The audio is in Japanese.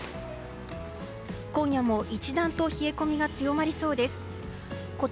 今夜も一段と冷え込みが強まりそうです。